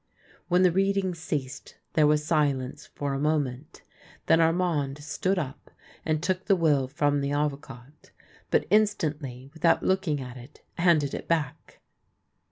When the reading ceased there was silence for a moment, then Armand stood up, and took the will from the Avocat; but instantly, without looking at it, handed it back.